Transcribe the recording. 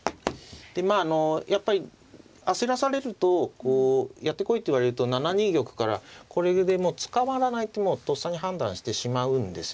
まあやっぱり焦らされるとやってこいと言われると７二玉からこれでもう捕まらないってとっさに判断してしまうんですね。